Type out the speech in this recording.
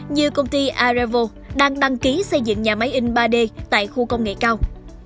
như công ty arevo đang đăng ký xây dựng nhà máy in ba d tại khu công nghệ cao